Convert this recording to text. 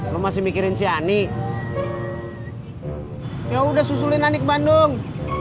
lu masih mikirin ciani ya udah susulin anik bandung